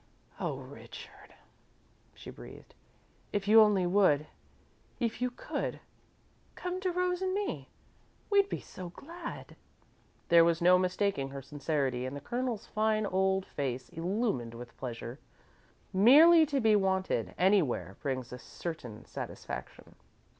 "Oh, Richard," she breathed, "if you only would if you could come to Rose and me! We'd be so glad!" There was no mistaking her sincerity, and the Colonel's fine old face illumined with pleasure. Merely to be wanted, anywhere, brings a certain satisfaction.